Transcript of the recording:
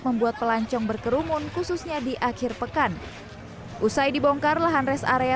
membuat pelancong berkerumun khususnya di akhir pekan usai dibongkar lahan res area